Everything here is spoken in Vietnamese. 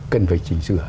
cần phải chỉnh sửa